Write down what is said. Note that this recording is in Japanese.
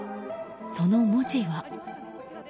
その文字は。